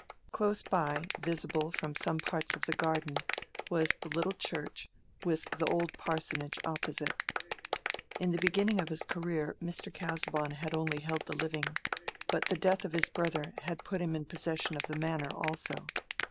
Close by, visible from some parts of the garden, was the little church, with the old parsonage opposite. In the beginning of his career, Mr. Casaubon had only held the living, but the death of his brother had put him in possession of the manor also.